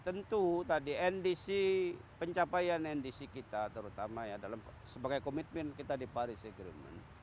tentu tadi ndc pencapaian ndc kita terutama ya sebagai komitmen kita di paris agreement